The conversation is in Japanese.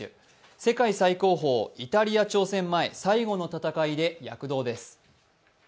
世界最高峰、イタリア挑戦前に最後の躍動です。